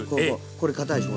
これかたいでしょ。